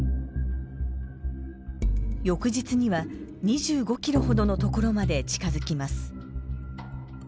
翌日には２５ｋｍほどの所まで近づきます。